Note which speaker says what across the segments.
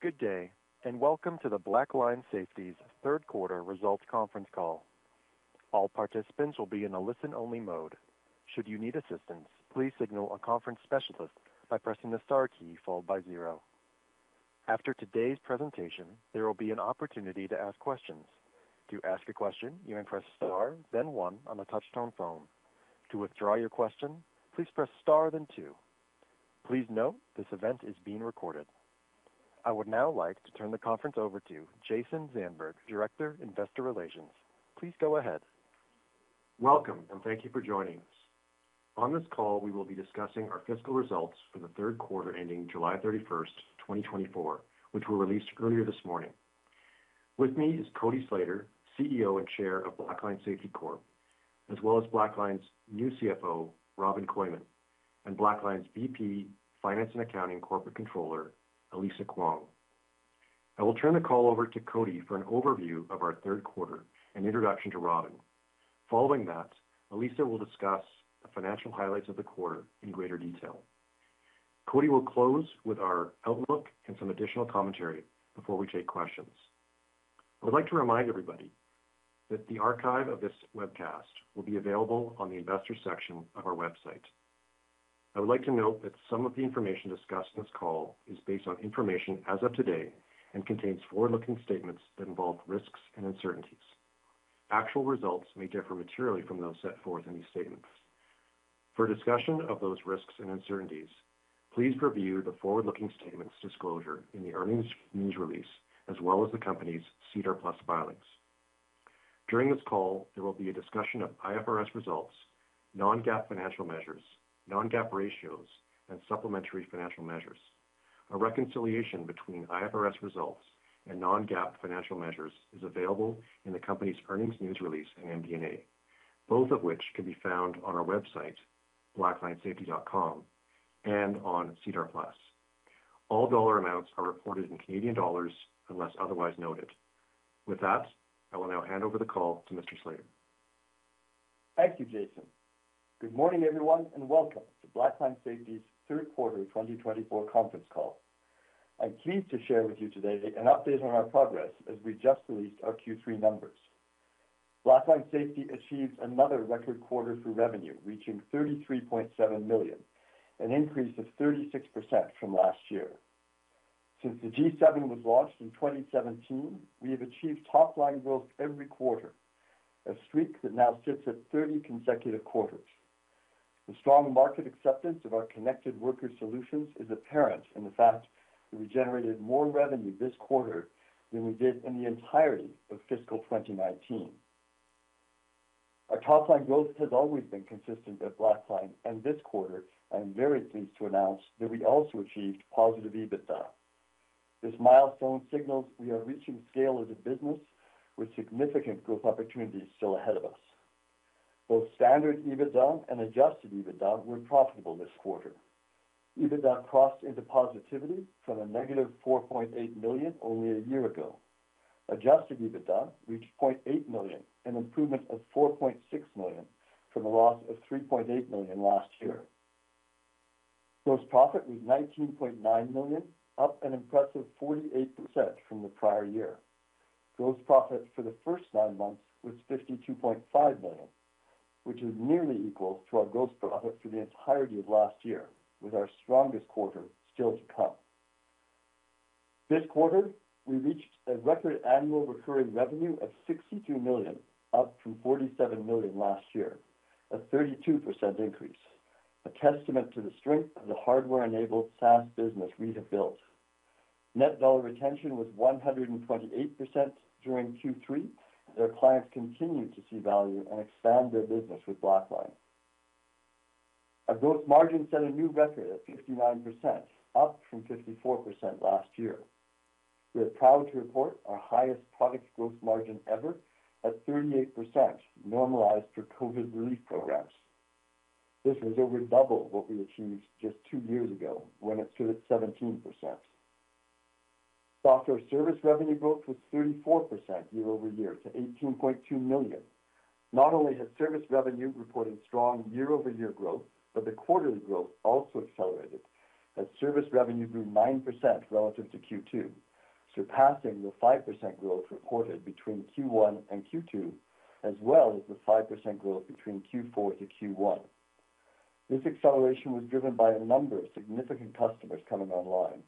Speaker 1: Good day, and Welcome to the Blackline Safety's third quarter results conference call. All participants will be in a listen-only mode. Should you need assistance, please signal a conference specialist by pressing the star key followed by zero. After today's presentation, there will be an opportunity to ask questions. To ask a question, you may press Star, then one on a touchtone phone. To withdraw your question, please press Star, then two. Please note, this event is being recorded. I would now like to turn the conference over to Jason Zandberg, Director, Investor Relations. Please go ahead.
Speaker 2: Welcome, and thank you for joining us. On this call, we will be discussing our fiscal results for the third quarter ending July 31st, 2024, which were released earlier this morning. With me is Cody Slater, CEO and Chair of Blackline Safety Corp, as well as Blackline's new CFO, Robin Kooyman, and Blackline's VP, Finance and Accounting, Corporate Controller, Elisa Khuong. I will turn the call over to Cody for an overview of our third quarter and introduction to Robin. Following that, Elisa will discuss the financial highlights of the quarter in greater detail. Cody will close with our outlook and some additional commentary before we take questions. I would like to remind everybody that the archive of this webcast will be available on the investor section of our website. I would like to note that some of the information discussed in this call is based on information as of today and contains forward-looking statements that involve risks and uncertainties. Actual results may differ materially from those set forth in these statements. For discussion of those risks and uncertainties, please review the forward-looking statements disclosure in the earnings news release, as well as the company's SEDAR+ filings. During this call, there will be a discussion of IFRS results, non-GAAP financial measures, non-GAAP ratios, and supplementary financial measures. A reconciliation between IFRS results and non-GAAP financial measures is available in the company's earnings news release and MD&A, both of which can be found on our website, blacklinesafety.com, and on SEDAR+. All dollar amounts are reported in Canadian dollars unless otherwise noted. With that, I will now hand over the call to Mr. Slater.
Speaker 3: Thank you, Jason. Good morning, everyone, and Welcome to Blackline Safety's third quarter 2024 conference call. I'm pleased to share with you today an update on our progress as we just released our Q3 numbers. Blackline Safety achieves another record quarter for revenue, reaching 33.7 million, an increase of 36% from last year. Since the G7 was launched in 2017, we have achieved top-line growth every quarter, a streak that now sits at 30 consecutive quarters. The strong market acceptance of our Connected Worker solutions is apparent in the fact that we generated more revenue this quarter than we did in the entirety of fiscal 2019. Our top-line growth has always been consistent at Blackline, and this quarter I am very pleased to announce that we also achieved positive EBITDA. This milestone signals we are reaching scale as a business with significant growth opportunities still ahead of us. Both standard EBITDA and adjusted EBITDA were profitable this quarter. EBITDA crossed into positivity from a -4.8 million only a year ago. Adjusted EBITDA reached 0.8 million, an improvement of 4.6 million from a loss of 3.8 million last year. Gross profit was 19.9 million, up an impressive 48% from the prior year. Gross profit for the first nine months was 52.5 million, which is nearly equal to our gross profit for the entirety of last year, with our strongest quarter still to come. This quarter, we reached a record annual recurring revenue of 62 million, up from 47 million last year, a 32% increase, a testament to the strength of the hardware-enabled SaaS business we have built. Net dollar retention was 128% during Q3, as our clients continue to see value and expand their business with Blackline. Our gross margins set a new record at 59%, up from 54% last year. We are proud to report our highest product gross margin ever at 38%, normalized for COVID relief programs. This is over double what we achieved just two years ago when it stood at 17%. Software service revenue growth was 34% year-over-year to 18.2 million. Not only has service revenue reported strong year-over-year growth, but the quarterly growth also accelerated, as service revenue grew 9% relative to Q2, surpassing the 5% growth reported between Q1 and Q2, as well as the 5% growth between Q4 to Q1. This acceleration was driven by a number of significant customers coming online.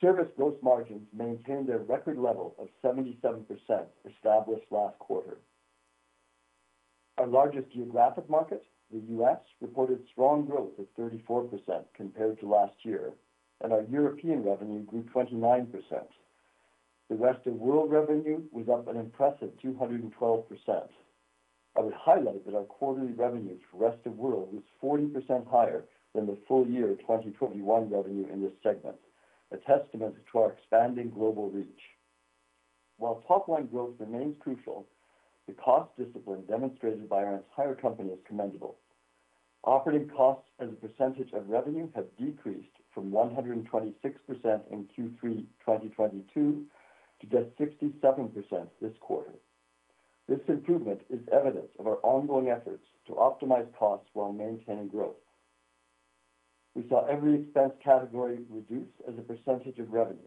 Speaker 3: Service gross margins maintained their record level of 77%, established last quarter. Our largest geographic market, the U.S., reported strong growth of 34% compared to last year, and our European revenue grew 29%. The Rest of World revenue was up an impressive 212%. I would highlight that our quarterly revenue for Rest of World was 40% higher than the full year 2021 revenue in this segment, a testament to our expanding global reach. While top-line growth remains crucial, the cost discipline demonstrated by our entire company is commendable. Operating costs as a percentage of revenue have decreased from 126% in Q3 2022 to just 67% this quarter. This improvement is evidence of our ongoing efforts to optimize costs while maintaining growth. We saw every expense category reduce as a percentage of revenue.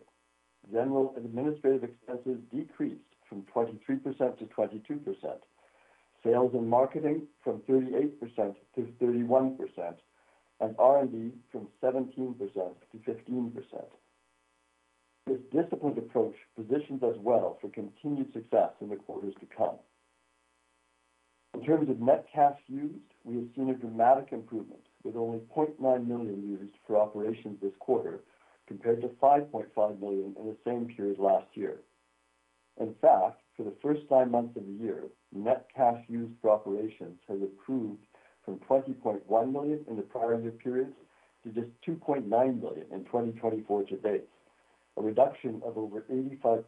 Speaker 3: General and administrative expenses decreased from 23% to 22%, sales and marketing from 38% to 31%, and R&D from 17% to 15%. This disciplined approach positions us well for continued success in the quarters to come. In terms of net cash used, we have seen a dramatic improvement, with only 0.9 million used for operations this quarter, compared to 5.5 million in the same period last year. In fact, for the first nine months of the year, net cash used for operations has improved from 20.1 million in the prior year periods to just 2.9 million in 2024 to date, a reduction of over 85%.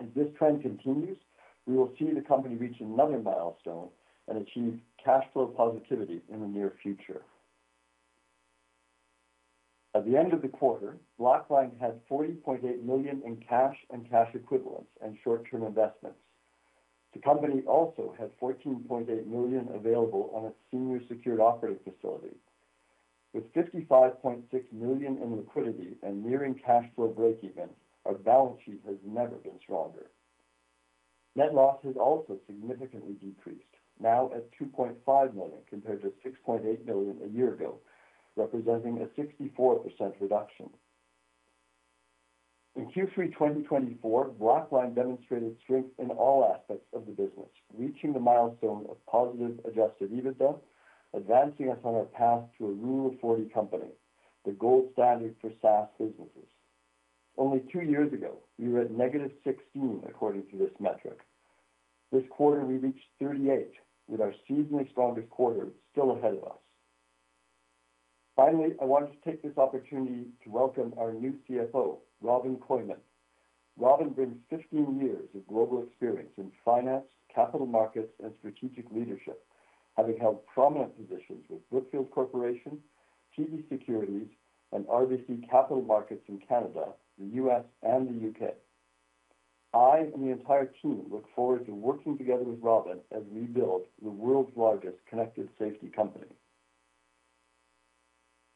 Speaker 3: As this trend continues, we will see the company reach another milestone and achieve cash flow positivity in the near future. At the end of the quarter, Blackline had 40.8 million in cash and cash equivalents and short-term investments. The company also had 14.8 million available on its senior secured operating facility. With 55.6 million in liquidity and nearing cash flow breakeven, our balance sheet has never been stronger. Net loss has also significantly decreased, now at 2.5 million, compared to 6.8 million a year ago, representing a 64% reduction. In Q3, 2024, Blackline demonstrated strength in all aspects of the business, reaching the milestone of positive adjusted EBITDA, advancing us on our path to a Rule of 40 company, the gold standard for SaaS businesses. Only two years ago, we were at -16, according to this metric. This quarter, we reached 38, with our seasonally strongest quarter still ahead of us. Finally, I wanted to take this opportunity to welcome our new CFO, Robin Kooyman. Robin brings 15 years of global experience in finance, capital markets, and strategic leadership, having held prominent positions with Brookfield Corporation, TD Securities, and RBC Capital Markets in Canada, the U.S., and the U.K. I and the entire team look forward to working together with Robin as we build the world's largest connected safety company.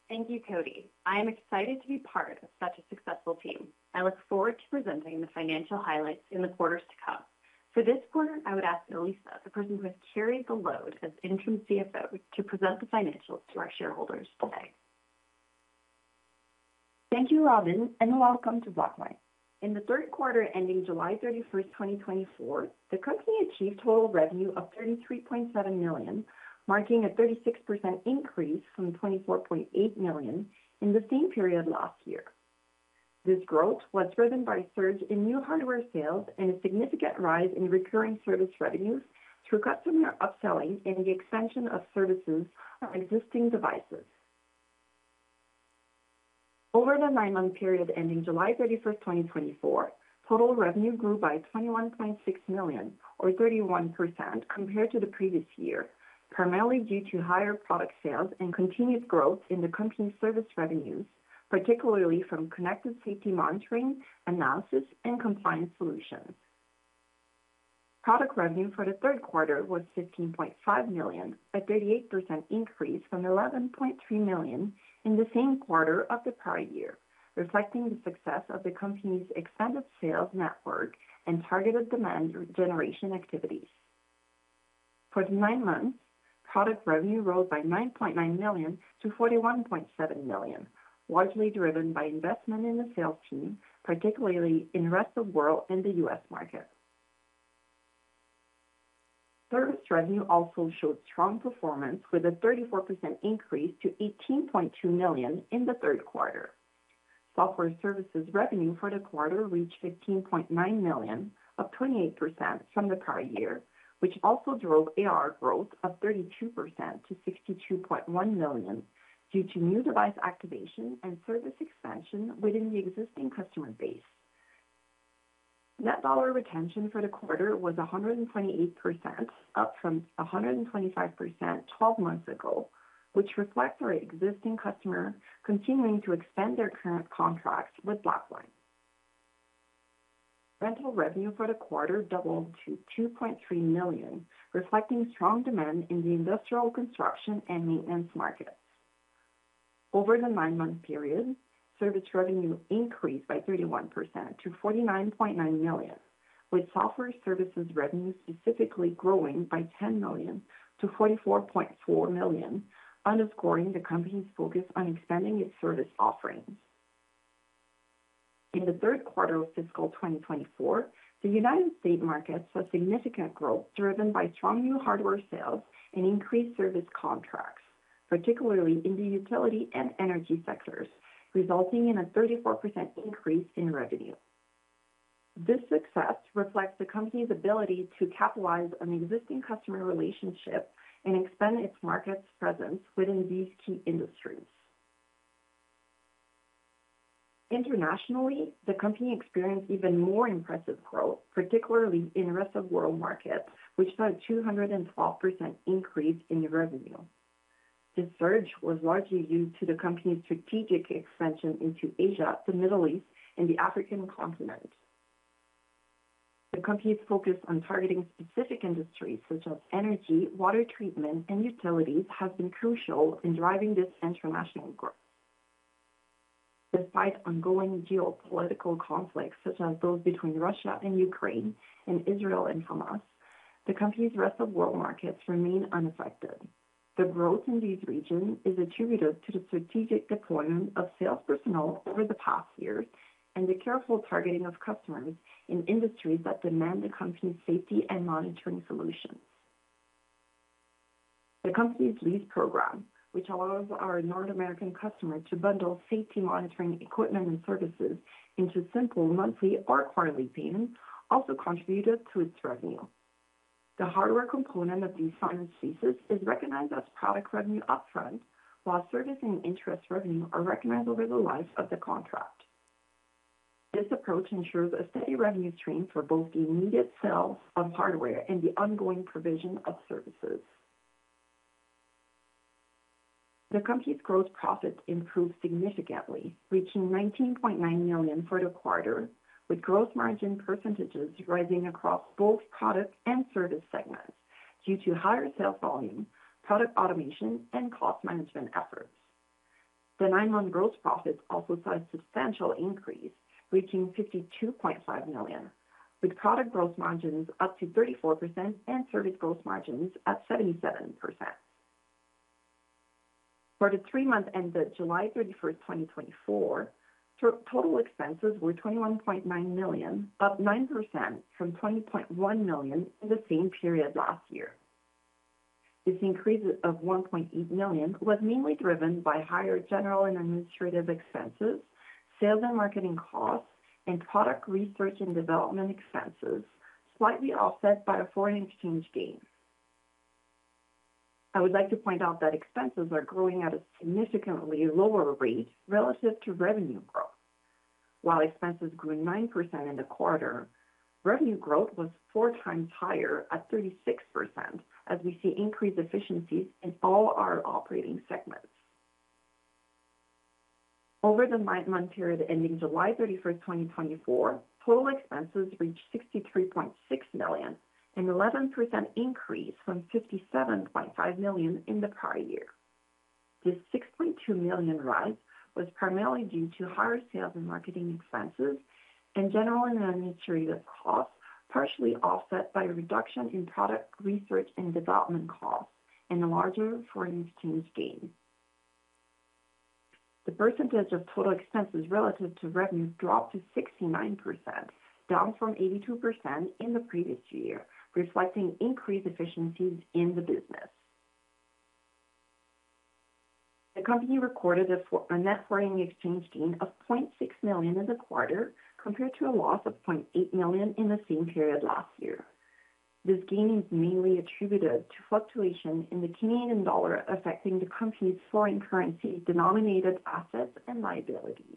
Speaker 4: Thank you, Cody. I am excited to be part of such a successful team. I look forward to presenting the financial highlights in the quarters to come. For this quarter, I would ask Elisa, the person who has carried the load as interim CFO, to present the financials to our shareholders today.
Speaker 5: Thank you, Robin, and welcome to Blackline. In the third quarter, ending July 31st, 2024, the company achieved total revenue of 33.7 million, marking a 36% increase from 24.8 million in the same period last year. This growth was driven by a surge in new hardware sales and a significant rise in recurring service revenues through customer upselling and the expansion of services on existing devices. Over the nine-month period ending July 31st, 2024, total revenue grew by 21.6 million, or 31% compared to the previous year, primarily due to higher product sales and continued growth in the company's service revenues, particularly from connected safety monitoring, analysis, and compliance solutions. Product revenue for the third quarter was 15.5 million, a 38% increase from 11.3 million in the same quarter of the prior year, reflecting the success of the company's expanded sales network and targeted demand generation activities. For the nine months, product revenue rose by 9.9 million to 41.7 million, largely driven by investment in the sales team, particularly in Rest of World and the U.S. market. Service revenue also showed strong performance, with a 34% increase to 18.2 million in the third quarter. Software services revenue for the quarter reached 15.9 million, up 28% from the prior year, which also drove AR growth of 32% to 62.1 million, due to new device activation and service expansion within the existing customer base. Net dollar retention for the quarter was 128%, up from 125% 12 months ago, which reflects our existing customers continuing to extend their current contracts with Blackline. Rental revenue for the quarter doubled to 2.3 million, reflecting strong demand in the industrial construction and maintenance markets. Over the nine-month period, service revenue increased by 31% to 49.9 million, with software services revenue specifically growing by 10 million to 44.4 million, underscoring the company's focus on expanding its service offerings. In the third quarter of fiscal 2024, the United States market saw significant growth, driven by strong new hardware sales and increased service contracts, particularly in the utility and energy sectors, resulting in a 34% increase in revenue. This success reflects the company's ability to capitalize on existing customer relationships and expand its market presence within these key industries. Internationally, the company experienced even more impressive growth, particularly in Rest of World markets, which saw a 212% increase in revenue. This surge was largely due to the company's strategic expansion into Asia, the Middle East, and the African continent. The company's focus on targeting specific industries such as energy, water treatment, and utilities, has been crucial in driving this international growth. Despite ongoing geopolitical conflicts, such as those between Russia and Ukraine and Israel and Hamas, the company's Rest of World markets remain unaffected. The growth in these regions is attributed to the strategic deployment of sales personnel over the past years and the careful targeting of customers in industries that demand the company's safety and monitoring solutions. The company's lease program, which allows our North American customers to bundle safety monitoring equipment and services into simple monthly or quarterly payments, also contributed to its revenue. The hardware component of these finance leases is recognized as product revenue upfront, while servicing and interest revenue are recognized over the life of the contract. This approach ensures a steady revenue stream for both the immediate sales of hardware and the ongoing provision of services. The company's gross profit improved significantly, reaching 19.9 million for the quarter, with gross margin percentages rising across both product and service segments due to higher sales volume, product automation, and cost management efforts. The nine-month gross profit also saw a substantial increase, reaching 52.5 million, with product gross margins up to 34% and service gross margins at 77%. For the three months ended July 31, 2024, total expenses were 21.9 million, up 9% from 20.1 million in the same period last year. This increase of 1.8 million was mainly driven by higher general and administrative expenses, sales and marketing costs, and product research and development expenses, slightly offset by a foreign exchange gain. I would like to point out that expenses are growing at a significantly lower rate relative to revenue growth. While expenses grew 9% in the quarter, revenue growth was 4x higher at 36%, as we see increased efficiencies in all our operating segments. Over the nine-month period ending July 31, 2024, total expenses reached 63.6 million, an 11% increase from 57.5 million in the prior year. This 6.2 million rise was primarily due to higher sales and marketing expenses and general and administrative costs, partially offset by a reduction in product research and development costs and a larger foreign exchange gain. The percentage of total expenses relative to revenue dropped to 69%, down from 82% in the previous year, reflecting increased efficiencies in the business. The company recorded a net foreign exchange gain of 0.6 million in the quarter, compared to a loss of 0.8 million in the same period last year. This gain is mainly attributed to fluctuation in the Canadian dollar, affecting the company's foreign currency denominated assets and liabilities.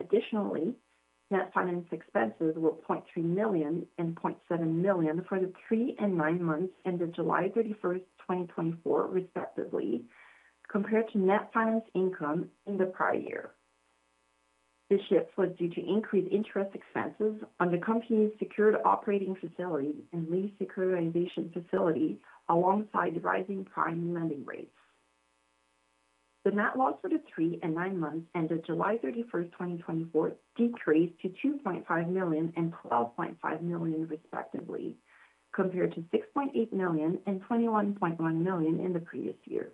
Speaker 5: Additionally, net finance expenses were 0.3 million and 0.7 million for the three and nine months ended July 31st, 2024, respectively, compared to net finance income in the prior year. This shift was due to increased interest expenses on the company's secured operating facilities and lease securitization facility, alongside rising prime lending rates. The net loss for the three and nine months ended July 31st, 2024, decreased to 2.5 million and 12.5 million, respectively, compared to 6.8 million and 21.1 million in the previous year.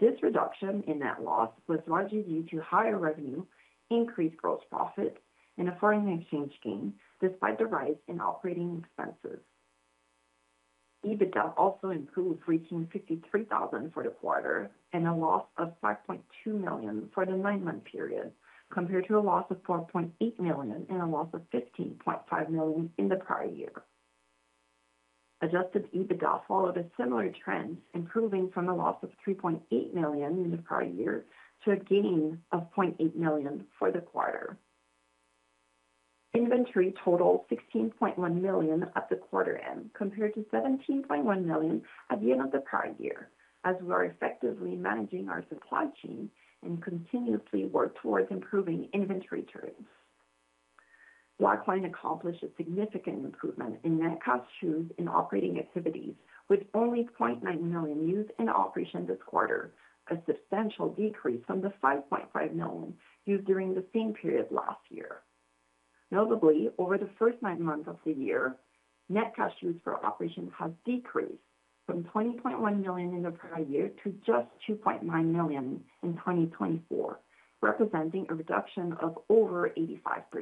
Speaker 5: This reduction in net loss was largely due to higher revenue, increased gross profit, and a foreign exchange gain, despite the rise in operating expenses. EBITDA also improved, reaching 53,000 for the quarter and a loss of 5.2 million for the nine-month period, compared to a loss of 4.8 million and a loss of 15.5 million in the prior year. Adjusted EBITDA followed a similar trend, improving from a loss of 3.8 million in the prior year to a gain of 0.8 million for the quarter. Inventory totaled 16.1 million at the quarter end, compared to 17.1 million at the end of the prior year, as we are effectively managing our supply chain and continuously work towards improving inventory turns. Blackline accomplished a significant improvement in net cash used in operating activities with only 0.9 million used in operations this quarter, a substantial decrease from the 5.5 million used during the same period last year. Notably, over the first nine months of the year, net cash used for operations has decreased from 20.1 million in the prior year to just 2.9 million in 2024, representing a reduction of over 85%.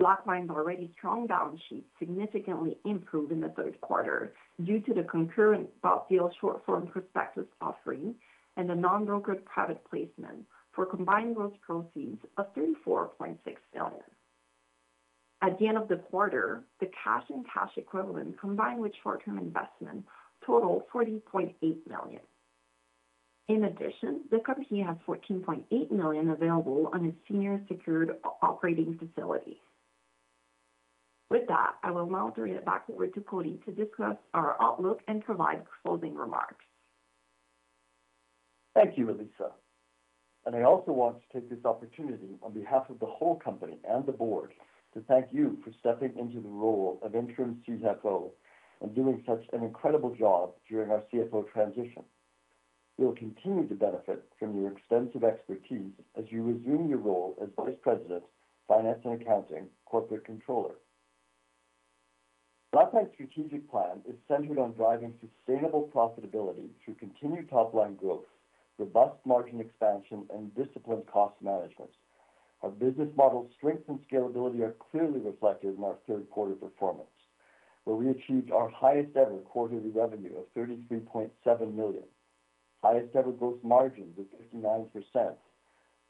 Speaker 5: Blackline's already strong balance sheet significantly improved in the third quarter due to the concurrent bought deal short form prospectus offering and the non-brokered private placement for combined gross proceeds of 34.6 million. At the end of the quarter, the cash and cash equivalent, combined with short-term investment, totaled 40.8 million. In addition, the company has 14.8 million available on its senior secured operating facility. With that, I will now turn it back over to Cody to discuss our outlook and provide closing remarks.
Speaker 3: Thank you, Elisa. And I also want to take this opportunity on behalf of the whole company and the board, to thank you for stepping into the role of interim CFO and doing such an incredible job during our CFO transition. We will continue to benefit from your extensive expertise as you resume your role as Vice President, Finance and Accounting, Corporate Controller. Blackline's strategic plan is centered on driving sustainable profitability through continued top-line growth, robust margin expansion, and disciplined cost management. Our business model's strength and scalability are clearly reflected in our third quarter performance, where we achieved our highest-ever quarterly revenue of 33.7 million, highest ever gross margin of 59%,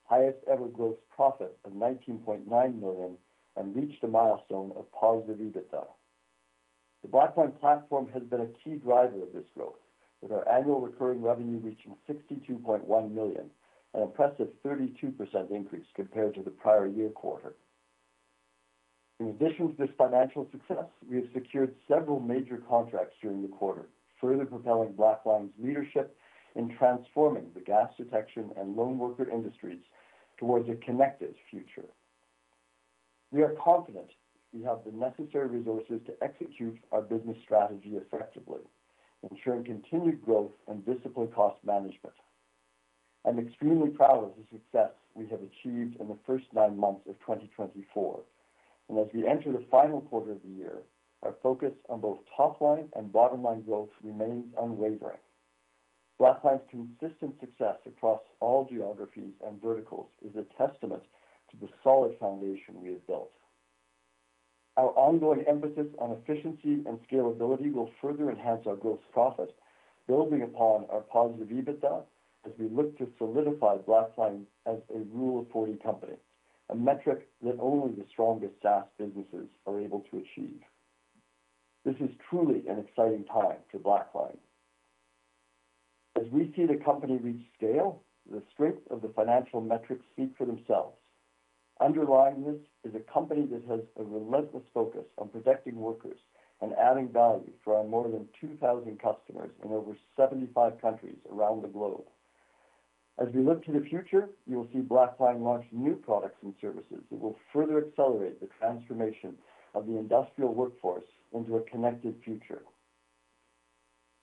Speaker 3: highest ever gross profit of 19.9 million, and reached a milestone of positive EBITDA. The Blackline platform has been a key driver of this growth, with our annual recurring revenue reaching 62.1 million, an impressive 32% increase compared to the prior year quarter. In addition to this financial success, we have secured several major contracts during the quarter, further propelling Blackline's leadership in transforming the gas detection and lone worker industries towards a connected future. We are confident we have the necessary resources to execute our business strategy effectively, ensuring continued growth and disciplined cost management. I'm extremely proud of the success we have achieved in the first nine months of 2024, and as we enter the final quarter of the year, our focus on both top line and bottom line growth remains unwavering. Blackline's consistent success across all geographies and verticals is a testament to the solid foundation we have built. Our ongoing emphasis on efficiency and scalability will further enhance our gross profit, building upon our positive EBITDA as we look to solidify Blackline as a Rule of 40 company, a metric that only the strongest SaaS businesses are able to achieve. This is truly an exciting time for Blackline. As we see the company reach scale, the strength of the financial metrics speak for themselves. Underlying this is a company that has a relentless focus on protecting workers and adding value for our more than 2,000 customers in over 75 countries around the globe. As we look to the future, you will see Blackline launch new products and services that will further accelerate the transformation of the industrial workforce into a connected future.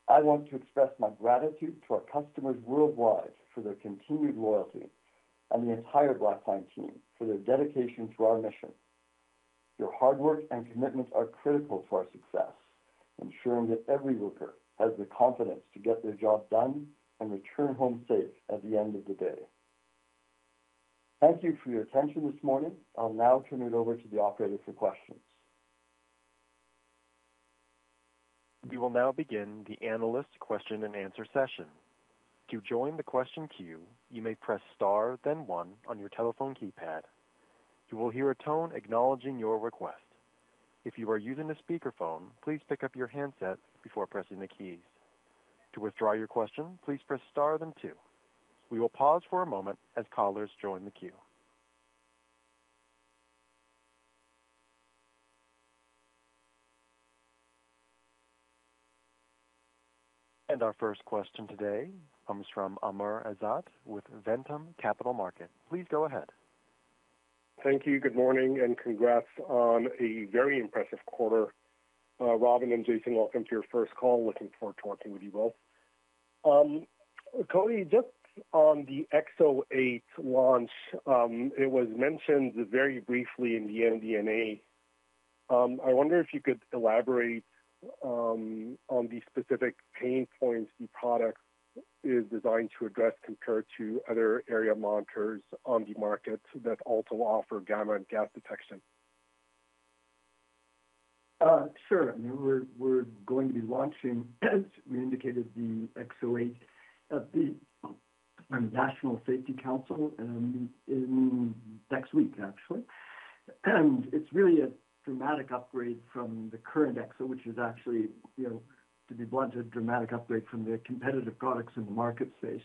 Speaker 3: I want to express my gratitude to our customers worldwide for their continued loyalty and the entire Blackline team for their dedication to our mission. Your hard work and commitment are critical to our success, ensuring that every worker has the confidence to get their job done and return home safe at the end of the day. Thank you for your attention this morning. I'll now turn it over to the operator for questions.
Speaker 1: We will now begin the analyst question-and-answer session. To join the question queue, you may press star, then one on your telephone keypad. You will hear a tone acknowledging your request. If you are using a speakerphone, please pick up your handset before pressing the keys. To withdraw your question, please press star, then two. We will pause for a moment as callers join the queue. And our first question today comes from Amr Ezzat with Ventum Capital Markets. Please go ahead.
Speaker 6: Thank you. Good morning, and congrats on a very impressive quarter. Robin and Jason, welcome to your first call. Looking forward to talking with you both. Cody, just on the EXO 8 launch, it was mentioned very briefly in the MD&A. I wonder if you could elaborate, on the specific pain points the product is designed to address, compared to other area monitors on the market that also offer gamma and gas detection.
Speaker 3: Sure. I mean, we're going to be launching, as we indicated, the EXO 8 at the National Safety Council in next week, actually. It's really a dramatic upgrade from the current EXO, which is actually, you know, to be blunt, a dramatic upgrade from the competitive products in the market space.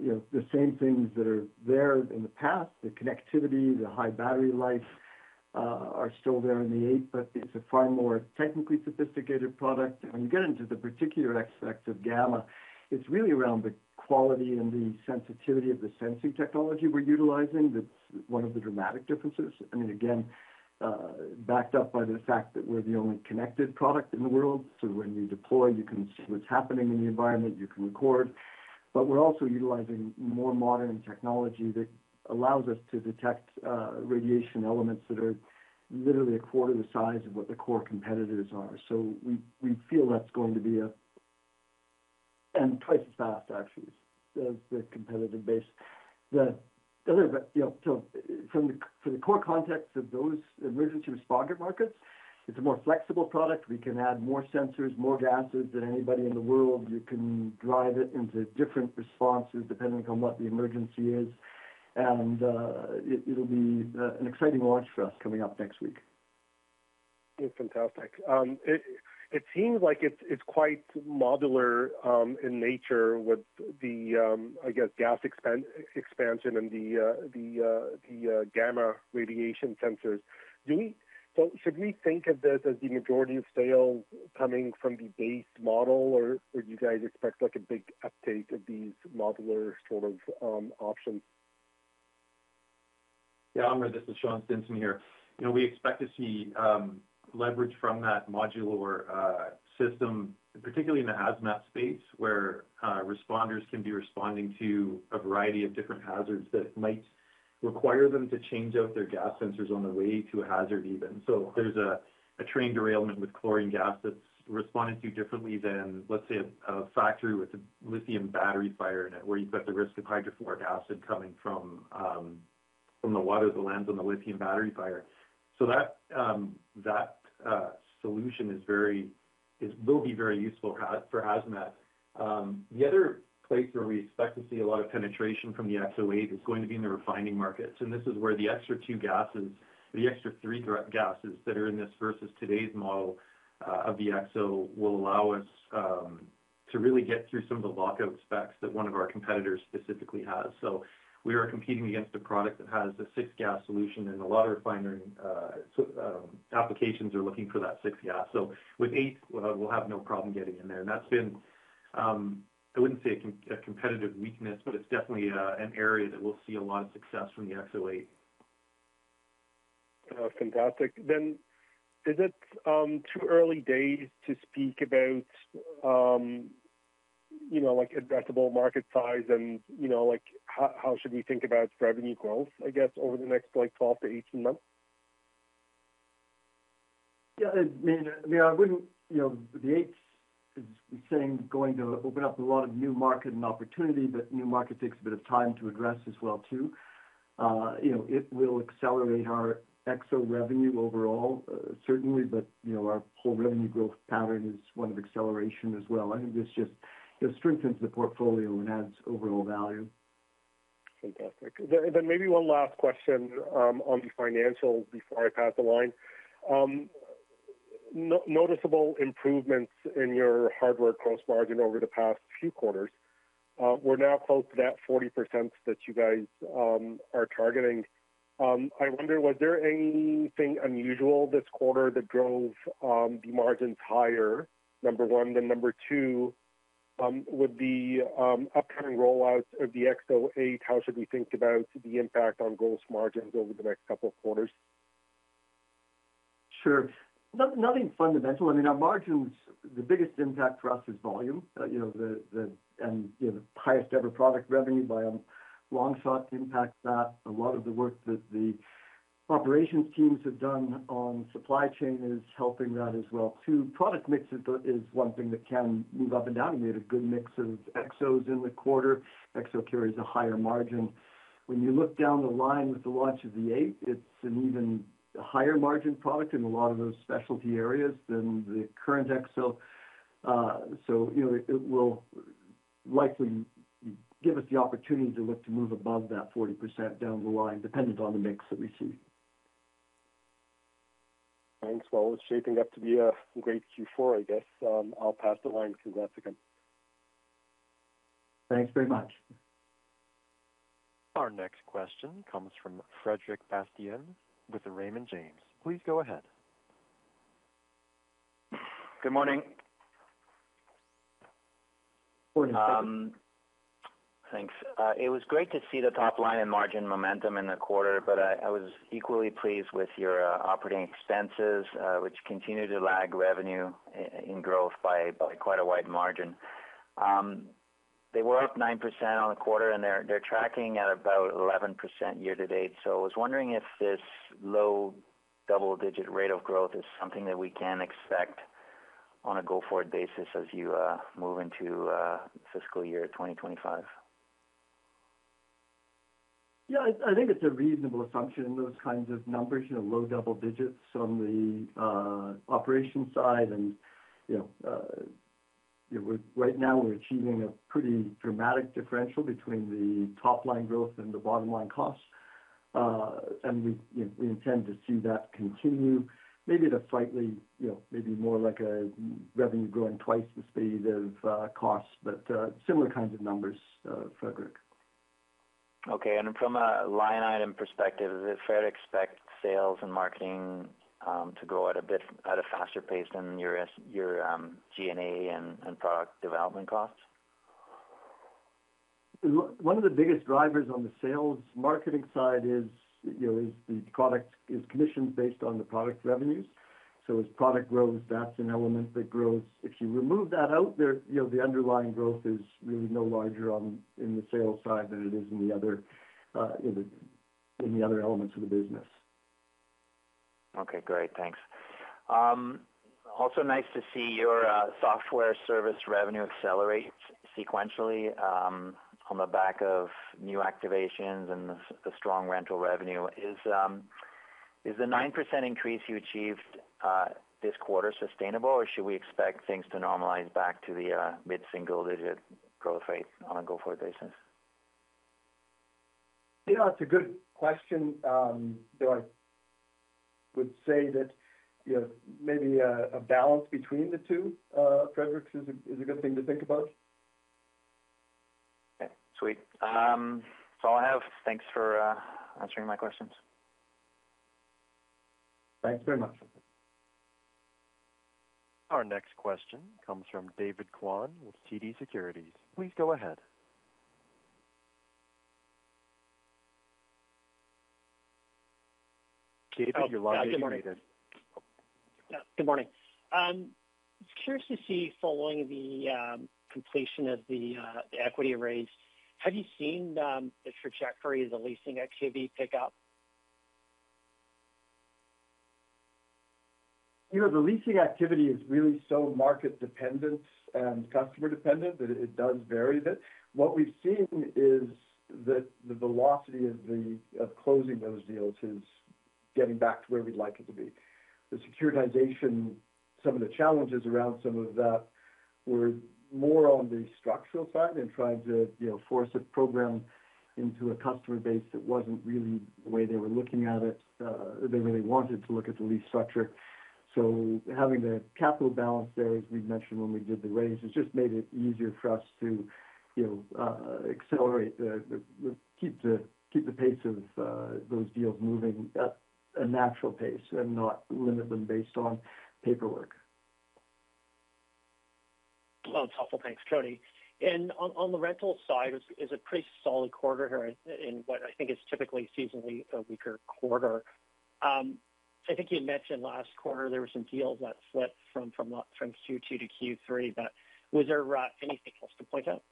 Speaker 3: You know, the same things that are there in the past, the connectivity, the high battery life, are still there in the 8, but it's a far more technically sophisticated product. When you get into the particular aspects of gamma, it's really around the quality and the sensitivity of the sensing technology we're utilizing. That's one of the dramatic differences, and again, backed up by the fact that we're the only connected product in the world. So when you deploy, you can see what's happening in the environment, you can record, but we're also utilizing more modern technology that allows us to detect radiation elements that are literally a quarter the size of what the core competitors are. So we feel that's going to be and twice as fast, actually, as the competitive base. You know, so from the core context of those emergency responder markets, it's a more flexible product. We can add more sensors, more gases than anybody in the world. You can drive it into different responses depending on what the emergency is, and it'll be an exciting launch for us coming up next week.
Speaker 6: It's fantastic. It seems like it's quite modular in nature with the, I guess, gas expansion and the gamma radiation sensors. So should we think of this as the majority of sales coming from the base model, or do you guys expect, like, a big uptake of these modular sort of options?
Speaker 7: Yeah, Amr, this is Sean Stinson here. You know, we expect to see leverage from that modular system, particularly in the hazmat space, where responders can be responding to a variety of different hazards that might require them to change out their gas sensors on the way to a hazard event. So there's a train derailment with chlorine gas that's responded to differently than, let's say, a factory with a lithium battery fire in it, where you've got the risk of hydrofluoric acid coming from the water that lands on the lithium battery fire. So that solution will be very useful for hazmat. The other place where we expect to see a lot of penetration from the EXO 8 is going to be in the refining markets, and this is where the extra two gases, the extra three direct gases that are in this versus today's model of the EXO, will allow us to really get through some of the lockout specs that one of our competitors specifically has. So we are competing against a product that has a six-gas solution, and a lot of refinery applications are looking for that six-gas. So with 8, we'll have no problem getting in there. And that's been, I wouldn't say a competitive weakness, but it's definitely an area that we'll see a lot of success from the EXO 8.
Speaker 6: Fantastic. Then is it too early days to speak about, you know, like, addressable market size and, you know, like, how should we think about revenue growth, I guess, over the next, like, 12-18 months?
Speaker 3: Yeah, I mean, I wouldn't, you know, the EXO 8 is gonna open up a lot of new market and opportunity, but new market takes a bit of time to address as well, too. You know, it will accelerate our EXO revenue overall, certainly, but, you know, our whole revenue growth pattern is one of acceleration as well. I think this just strengthens the portfolio and adds overall value.
Speaker 6: Fantastic. Then maybe one last question on the financials before I pass the line. Noticeable improvements in your hardware gross margin over the past few quarters. We're now close to that 40% that you guys are targeting. I wonder, was there anything unusual this quarter that drove the margins higher, number one? Then number two, with the upcoming rollout of the EXO 8, how should we think about the impact on gross margins over the next couple of quarters?
Speaker 3: Sure. Nothing fundamental. I mean, our margins, the biggest impact for us is volume. You know, the highest-ever product revenue by a long shot impacts that. A lot of the work that the operations teams have done on supply chain is helping that as well, too. Product mix is one thing that can move up and down. We had a good mix of EXOs in the quarter. EXO carries a higher margin. When you look down the line with the launch of the 8, it's an even higher margin product in a lot of those specialty areas than the current EXO. So, you know, it will likely give us the opportunity to look to move above that 40% down the line, depending on the mix that we see.
Speaker 6: Thanks. Well, it's shaping up to be a great Q4, I guess. I'll pass the line to that.
Speaker 3: Thanks very much.
Speaker 1: Our next question comes from Frederic Bastien with Raymond James. Please go ahead.
Speaker 8: Good morning.
Speaker 3: Morning.
Speaker 8: Thanks. It was great to see the top line and margin momentum in the quarter, but I was equally pleased with your operating expenses, which continue to lag revenue in growth by quite a wide margin. They were up 9% on the quarter, and they're tracking at about 11% year to date. So I was wondering if this low double-digit rate of growth is something that we can expect on a go-forward basis as you move into fiscal year 2025.
Speaker 3: Yeah, I think it's a reasonable assumption, those kinds of numbers, you know, low double digits on the operations side. And you know, right now we're achieving a pretty dramatic differential between the top-line growth and the bottom-line costs. And we, you know, we intend to see that continue. Maybe at a slightly, you know, maybe more like a revenue growing twice the speed of costs, but similar kinds of numbers, Frederic.
Speaker 8: Okay. And from a line item perspective, is it fair to expect sales and marketing to grow at a bit faster pace than your G&A and product development costs?
Speaker 3: One of the biggest drivers on the sales marketing side is, you know, is the product, is commissions based on the product revenues. So as product grows, that's an element that grows. If you remove that out there, you know, the underlying growth is really no larger on, in the sales side than it is in the other elements of the business.
Speaker 8: Okay, great. Thanks. Also nice to see your software service revenue accelerate sequentially on the back of new activations and the strong rental revenue. Is the 9% increase you achieved this quarter sustainable, or should we expect things to normalize back to the mid-single-digit growth rate on a go-forward basis?
Speaker 3: You know, it's a good question. Though I would say that, you know, maybe, a balance between the two, Frederic's, is a good thing to think about.
Speaker 8: Okay, sweet. That's all I have. Thanks for answering my questions.
Speaker 3: Thanks very much.
Speaker 1: Our next question comes from David Kwan with TD Securities. Please go ahead. TD, your line is unmuted.
Speaker 9: Good morning. Good morning. Just curious to see, following the completion of the equity raise, have you seen the trajectory of the leasing activity pick up?
Speaker 3: You know, the leasing activity is really so market dependent and customer dependent that it does vary a bit. What we've seen is that the velocity of closing those deals is getting back to where we'd like it to be. The securitization, some of the challenges around some of that were more on the structural side and trying to, you know, force a program into a customer base that wasn't really the way they were looking at it. They really wanted to look at the lease structure. So having the capital balance there, as we mentioned when we did the raise, has just made it easier for us to, you know, keep the pace of those deals moving at a natural pace and not limit them based on paperwork.
Speaker 9: It's helpful. Thanks, Cody. On the rental side is a pretty solid quarter here in what I think is typically seasonally a weaker quarter. I think you had mentioned last quarter there were some deals that slipped from Q2 to Q3, but was there anything else to point out?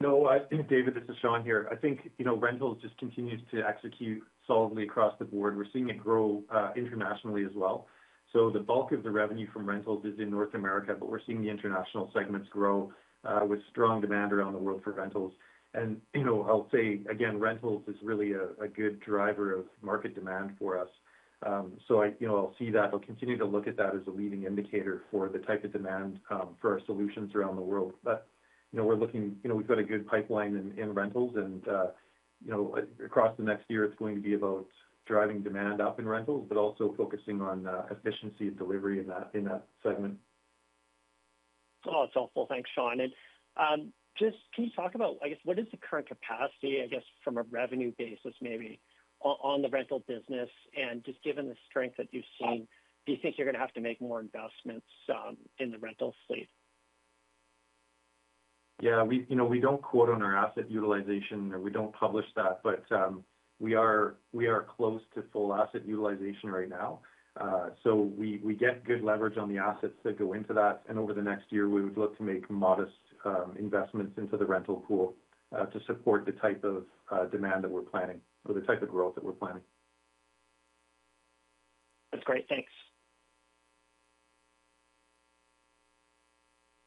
Speaker 7: No, I think, David, this is Sean here. I think you know, rentals just continues to execute solidly across the board. We're seeing it grow internationally as well. So the bulk of the revenue from rentals is in North America, but we're seeing the international segments grow with strong demand around the world for rentals. And you know, I'll say again, rentals is really a good driver of market demand for us. So you know, I'll see that. I'll continue to look at that as a leading indicator for the type of demand for our solutions around the world. But you know, we're looking... You know, we've got a good pipeline in rentals, and, you know, across the next year, it's going to be about driving demand up in rentals, but also focusing on efficiency and delivery in that segment.
Speaker 9: Oh, it's helpful. Thanks, Sean. And, just can you talk about, I guess, what is the current capacity, I guess, from a revenue basis, maybe on the rental business? And just given the strength that you've seen, do you think you're gonna have to make more investments in the rental space?
Speaker 7: Yeah, we, you know, we don't quote on our asset utilization, or we don't publish that, but we are close to full asset utilization right now, so we get good leverage on the assets that go into that, and over the next year, we would look to make modest investments into the rental pool to support the type of demand that we're planning or the type of growth that we're planning.
Speaker 9: That's great. Thanks.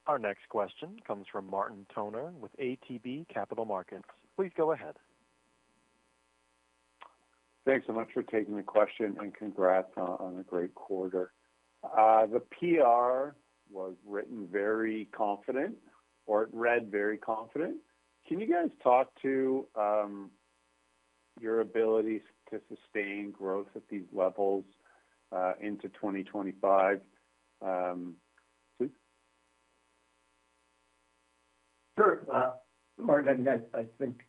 Speaker 1: Our next question comes from Martin Toner with ATB Capital Markets. Please go ahead.
Speaker 10: Thanks so much for taking the question, and congrats on a great quarter. The PR was written very confident, or it read very confident. Can you guys talk to your ability to sustain growth at these levels into 2025, please?
Speaker 3: Sure. Martin, I think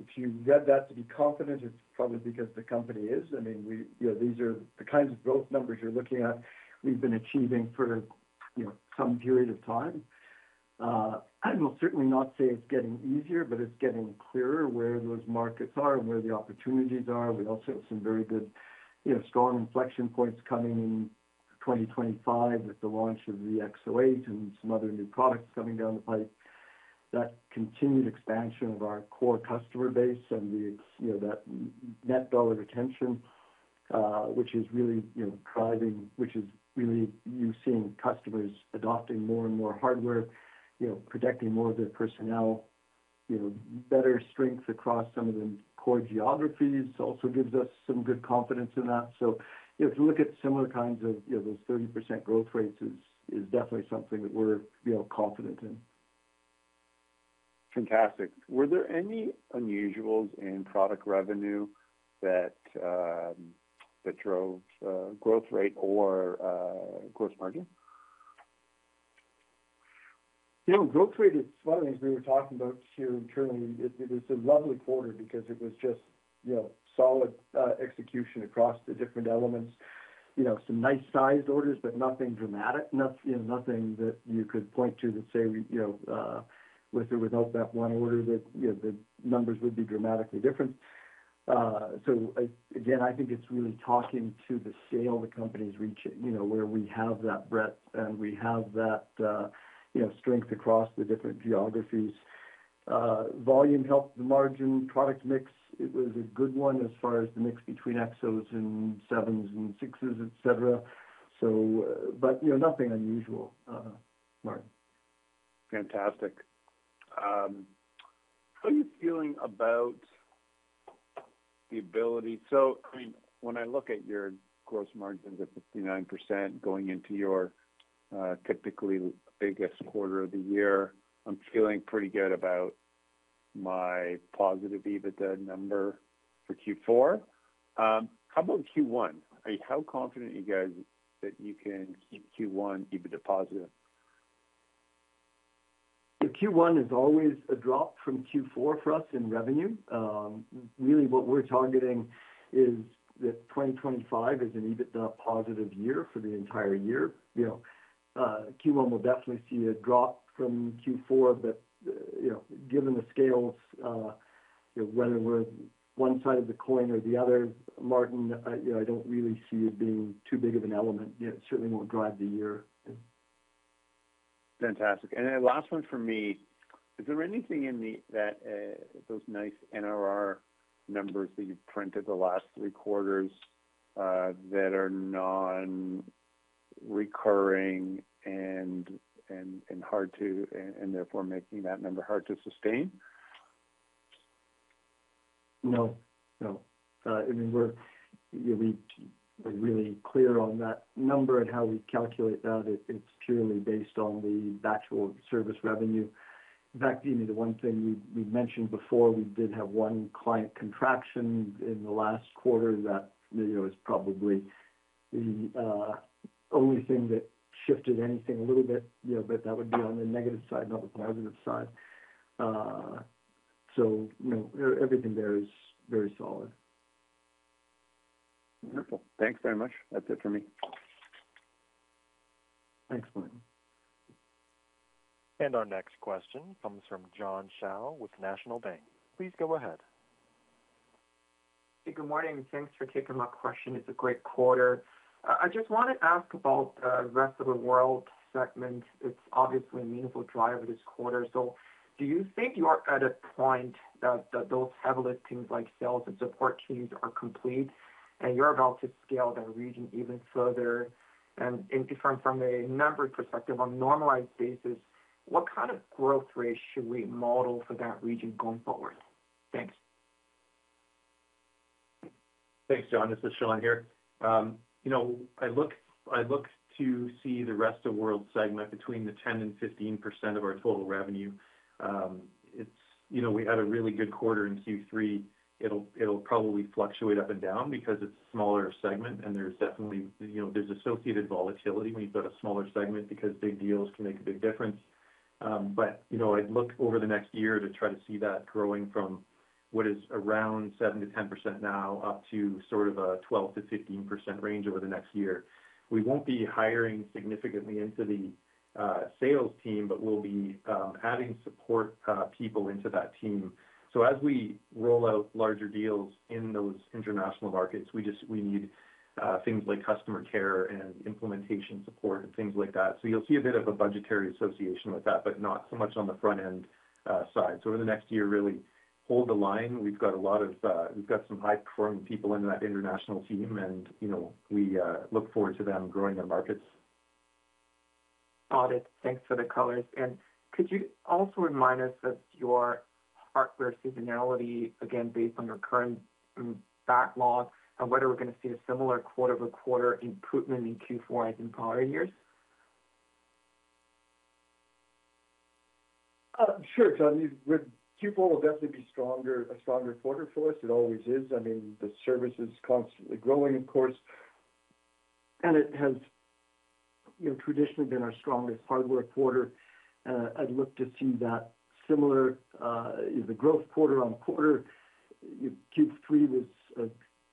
Speaker 3: if you read that to be confident, it's probably because the company is. I mean, we, you know, these are the kinds of growth numbers you're looking at, we've been achieving for, you know, some period of time. I will certainly not say it's getting easier, but it's getting clearer where those markets are and where the opportunities are. We also have some very good, you know, strong inflection points coming in 2025 with the launch of the EXO 8 and some other new products coming down the pipe. That continued expansion of our core customer base and the, you know, that net dollar retention, which is really, you know, driving, which is really you seeing customers adopting more and more hardware, you know, protecting more of their personnel. You know, better strength across some of the core geographies, also gives us some good confidence in that. So if you look at similar kinds of, you know, those 30% growth rates, is definitely something that we're, you know, confident in.
Speaker 10: Fantastic. Were there any unusual items in product revenue that drove growth rate or gross margin?
Speaker 3: You know, growth rate is one of the things we were talking about here internally. It was a lovely quarter because it was just, you know, solid execution across the different elements. You know, some nice sized orders, but nothing dramatic. Not, you know, nothing that you could point to to say, we, you know, with or without that one order, that, you know, the numbers would be dramatically different. So again, I think it's really talking to the scale the company is reaching, you know, where we have that breadth, and we have that, you know, strength across the different geographies. Volume helped the margin. Product mix, it was a good one as far as the mix between EXOs and sevens and sixes, etcetera. So, but, you know, nothing unusual, Martin.
Speaker 10: Fantastic. How are you feeling about the ability. So, I mean, when I look at your gross margins of 59% going into your typically biggest quarter of the year, I'm feeling pretty good about my positive EBITDA number for Q4. How about Q1? How confident are you guys that you can keep Q1 EBITDA positive?
Speaker 3: The Q1 is always a drop from Q4 for us in revenue. Really, what we're targeting is that 2025 is an EBITDA positive year for the entire year. You know, Q1 will definitely see a drop from Q4, but, you know, given the scales, you know, whether we're one side of the coin or the other, Martin, you know, I don't really see it being too big of an element. It certainly won't drive the year.
Speaker 10: Fantastic. And then last one for me. Is there anything in the, that, those nice NDR numbers that you've printed the last three quarters, that are non-recurring and therefore making that number hard to sustain?
Speaker 3: No. No. I mean, we're, you know, we are really clear on that number and how we calculate that. It, it's purely based on the actual service revenue. In fact, you know, the one thing we mentioned before, we did have one client contraction in the last quarter. That, you know, is probably the only thing that shifted anything a little bit, you know, but that would be on the negative side, not the positive side. So, you know, everything there is very solid.
Speaker 10: Wonderful. Thanks very much. That's it for me.
Speaker 3: Thanks, Martin.
Speaker 1: And our next question comes from John Shao with National Bank. Please go ahead.
Speaker 11: Hey, good morning, and thanks for taking my question. It's a great quarter. I just want to ask about the rest of the world segment. It's obviously a meaningful driver this quarter. So do you think you are at a point that those heavy listings, like sales and support teams, are complete, and you're about to scale the region even further? And different from a number perspective, on a normalized basis, what kind of growth rate should we model for that region going forward? Thanks.
Speaker 7: Thanks, John. This is Sean here. You know, I look to see the Rest of World segment between 10% and 15% of our total revenue. You know, we had a really good quarter in Q3. It'll probably fluctuate up and down because it's a smaller segment, and there's definitely, you know, associated volatility when you've got a smaller segment, because big deals can make a big difference. But you know, I'd look over the next year to try to see that growing from what is around 7%-10% now up to sort of a 12%-15% range over the next year. We won't be hiring significantly into the sales team, but we'll be adding support people into that team. So as we roll out larger deals in those international markets, we just need things like customer care and implementation support and things like that. So you'll see a bit of a budgetary association with that, but not so much on the front end side. So over the next year, really hold the line. We've got some high-performing people in that international team, and you know we look forward to them growing the markets.
Speaker 11: Got it. Thanks for the colors. And could you also remind us of your hardware seasonality, again, based on your current backlog, and whether we're going to see a similar quarter-over-quarter improvement in Q4 as in prior years?
Speaker 3: Sure, John. I mean, Q4 will definitely be stronger, a stronger quarter for us. It always is. I mean, the service is constantly growing, of course, and it has, you know, traditionally been our strongest hardware quarter. I'd look to see that similar, the growth quarter on quarter. Q3 was a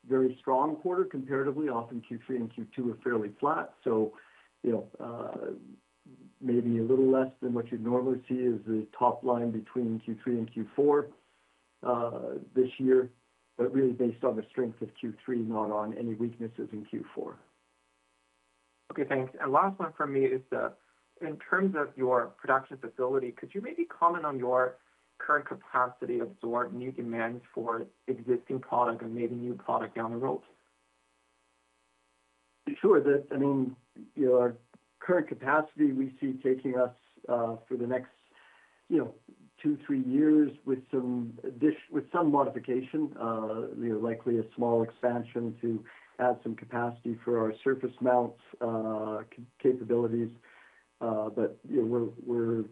Speaker 3: very strong quarter comparatively. Often Q3 and Q2 are fairly flat, so, you know, maybe a little less than what you'd normally see is the top line between Q3 and Q4, this year, but really based on the strength of Q3, not on any weaknesses in Q4.
Speaker 11: Okay, thanks. And last one from me is, in terms of your production facility, could you maybe comment on your current capacity to absorb new demands for existing product and maybe new product down the road?
Speaker 3: Sure. I mean, your current capacity, we see taking us through the next, you know, two, three years with some modification, you know, likely a small expansion to add some capacity for our surface mount capabilities. But, you know, we're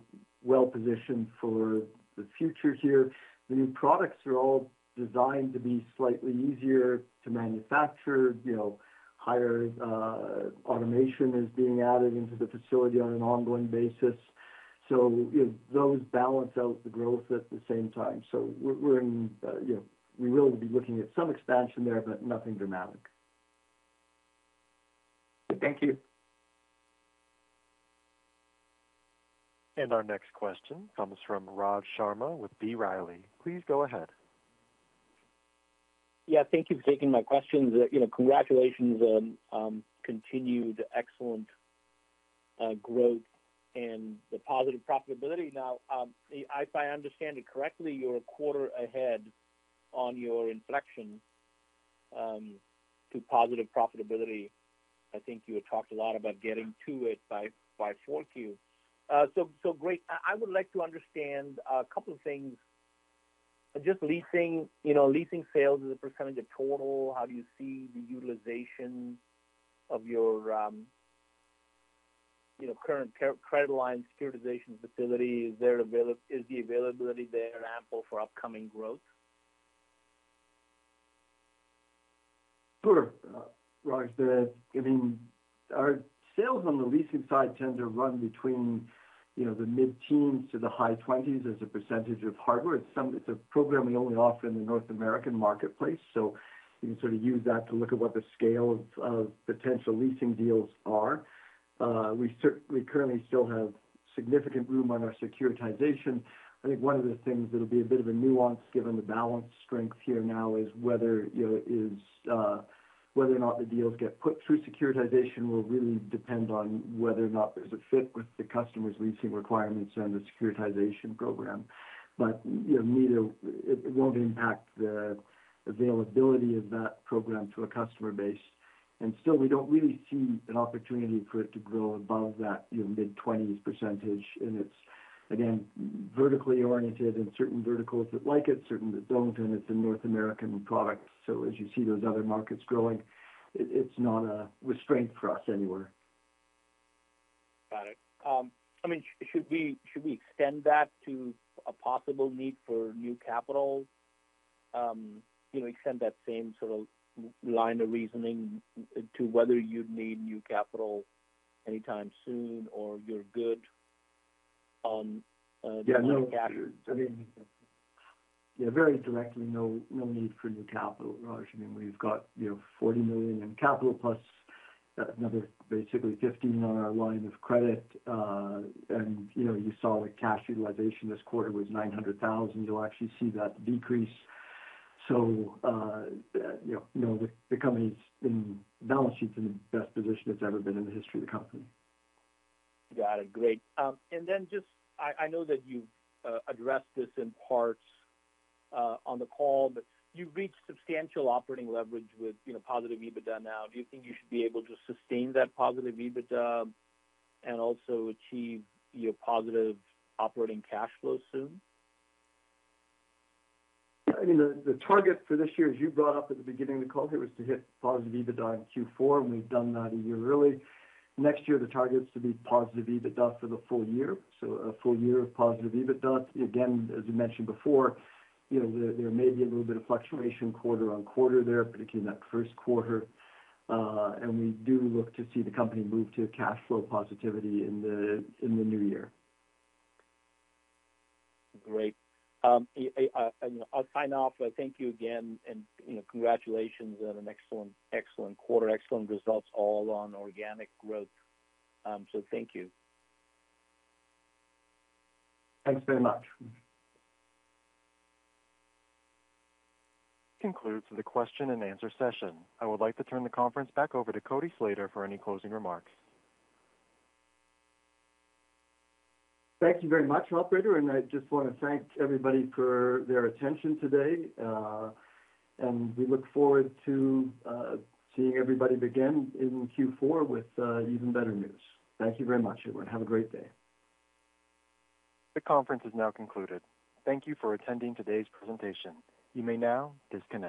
Speaker 3: well positioned for the future here. The new products are all designed to be slightly easier to manufacture. You know, higher automation is being added into the facility on an ongoing basis. So, you know, those balance out the growth at the same time. So we're in, you know, we will be looking at some expansion there, but nothing dramatic.
Speaker 11: Thank you.
Speaker 1: And our next question comes from Raj Sharma with B. Riley. Please go ahead.
Speaker 12: Yeah, thank you for taking my questions. You know, congratulations on continued excellent growth and the positive profitability. Now, if I understand it correctly, you're a quarter ahead on your inflection- to positive profitability. I think you had talked a lot about getting to it by Q4. So great. I would like to understand a couple of things. Just leasing, you know, leasing sales as a percentage of total, how do you see the utilization of your, you know, current credit line, securitization facility? Is the availability there ample for upcoming growth?
Speaker 3: Sure. Raj, I mean, our sales on the leasing side tend to run between, you know, the mid-teens to the high 20s percentage of hardware. It's a program we only offer in the North American marketplace, so you can sort of use that to look at what the scale of potential leasing deals are. We currently still have significant room on our securitization. I think one of the things that'll be a bit of a nuance, given the balance strength here now, is whether, you know, the deals get put through securitization will really depend on whether or not there's a fit with the customer's leasing requirements and the securitization program. But, you know, it won't impact the availability of that program to a customer base. And still, we don't really see an opportunity for it to grow above that, you know, mid-20s percentage. And it's, again, vertically oriented, and certain verticals that like it, certain that don't, and it's a North American product. So as you see those other markets growing, it's not a restraint for us anywhere.
Speaker 12: Got it. I mean, should we extend that to a possible need for new capital? You know, extend that same sort of line of reasoning to whether you'd need new capital anytime soon, or you're good on new cash?
Speaker 3: Yeah, very directly, no, no need for new capital, Raj. I mean, we've got, you know, 40 million in capital plus another basically 15 million on our line of credit. And, you know, you saw the cash utilization this quarter was 900,000. You'll actually see that decrease. So, you know, you know, the, the company's in, balance sheet's in the best position it's ever been in the history of the company.
Speaker 12: Got it. Great. And then just... I know that you've addressed this in parts on the call, but you've reached substantial operating leverage with, you know, positive EBITDA now. Do you think you should be able to sustain that positive EBITDA and also achieve your positive operating cash flow soon?
Speaker 3: I mean, the target for this year, as you brought up at the beginning of the call here, was to hit positive EBITDA in Q4, and we've done that a year early. Next year, the target is to be positive EBITDA for the full year, so a full year of positive EBITDA. Again, as you mentioned before, you know, there may be a little bit of fluctuation quarter on quarter there, particularly in that first quarter, and we do look to see the company move to cash flow positivity in the new year.
Speaker 12: Great. You know, I'll sign off. But thank you again, and you know, congratulations on an excellent, excellent quarter. Excellent results, all on organic growth. So thank you.
Speaker 3: Thanks very much.
Speaker 1: This concludes the question and answer session. I would like to turn the conference back over to Cody Slater for any closing remarks.
Speaker 3: Thank you very much, operator, and I just want to thank everybody for their attention today, and we look forward to seeing everybody again in Q4 with even better news. Thank you very much, everyone. Have a great day.
Speaker 1: The conference is now concluded. Thank you for attending today's presentation. You may now disconnect.